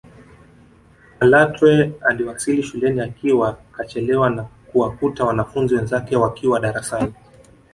Malatwe aliwasili shuleni akiwa kachelewa na kuwakuta wanafunzi wenzake wakiwa darasani